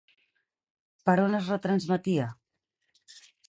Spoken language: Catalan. Per on es retransmetia?